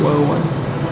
terima kasih wan